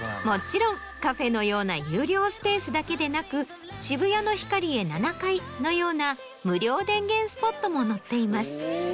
もちろんカフェのような有料スペースだけでなく渋谷のヒカリエ７階のような無料電源スポットも載っています。